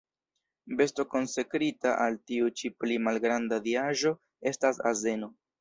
Besto konsekrita al tiu ĉi pli malgranda diaĵo estas azeno.